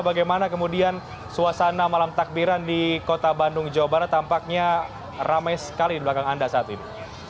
bagaimana kemudian suasana malam takbiran di kota bandung jawa barat tampaknya ramai sekali di belakang anda saat ini